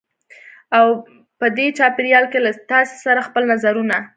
او په دې چاپېریال کې له تاسې سره خپل نظرونه